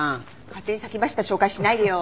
勝手に先走った紹介しないでよ。